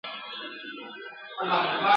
چي به پورته سوې څپې او لوی موجونه !.